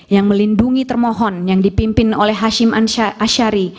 yang melindungi termohon yang dipimpin oleh hashim ashari